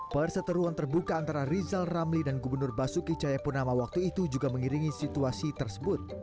perseteruan terbuka antara rizal ramli dan gubernur basuki cahayapunama waktu itu juga mengiringi situasi tersebut